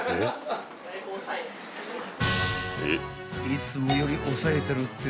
［いつもより抑えてるって？